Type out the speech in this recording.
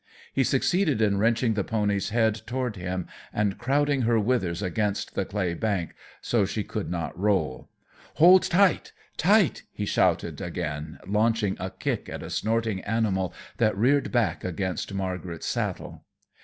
He succeeded in wrenching the pony's head toward him and crowding her withers against the clay bank, so that she could not roll. "Hold tight, tight!" he shouted again, launching a kick at a snorting animal that reared back against Margaret's saddle.